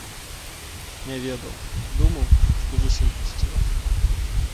Не ведаў, думаў, што зусім пусціла.